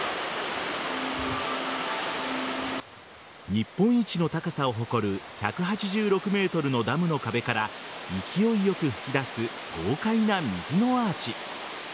日本一の高さを誇る１８６ｍのダムの壁から勢いよく噴き出す豪快な水のアーチ。